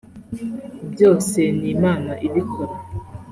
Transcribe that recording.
byose ni Imana ibikora